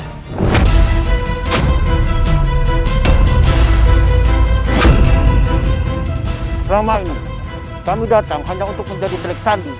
selama ini kami datang hanya untuk menjadi pelik sandi